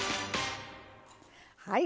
はい。